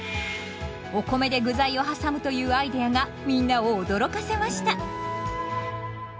お米で具材をはさむというアイデアがみんなを驚かせました。